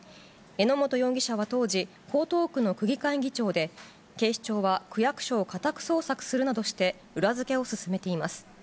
榎本容疑者は当時、江東区の区議会議長で、警視庁は、区役所を家宅捜索するなどして、裏付けを進めています。